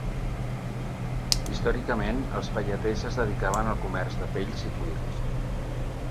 Històricament els pelleters es dedicaven al comerç de pells i cuir.